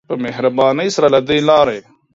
په مهربانی سره له دی لاری.